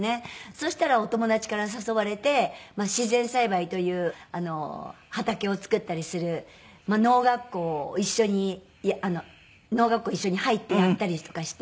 そしたらお友達から誘われて自然栽培という畑を作ったりする農学校を一緒に農学校一緒に入ってやったりとかしてて。